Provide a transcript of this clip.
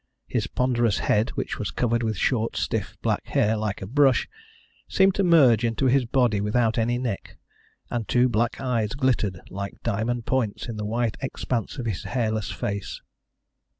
His ponderous head, which was covered with short stiff black hair, like a brush, seemed to merge into his body without any neck, and two black eyes glittered like diamond points in the white expanse of his hairless face.